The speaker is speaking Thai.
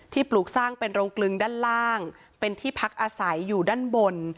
ปลูกสร้างเป็นโรงกลึงด้านล่างเป็นที่พักอาศัยอยู่ด้านบน